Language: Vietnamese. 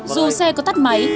dù xe có tắt máy